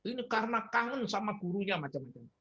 ini karena kangen sama gurunya macam macam